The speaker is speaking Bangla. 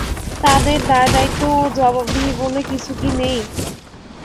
তাদের দায়দায়িত্ব ও জবাবদিহি বলে কিছু কি নেই?